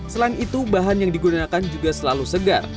selain itu bahan yang digunakan juga selalu segar